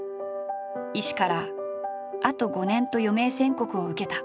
医師から「あと５年」と余命宣告を受けた。